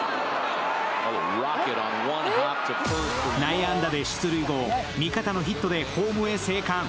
内野安打で出塁後、味方のヒットでホームへ生還。